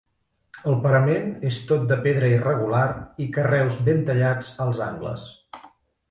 El parament és tot de pedra irregular i carreus ben tallats als angles.